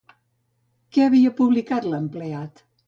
Què havia publicat l'empleat?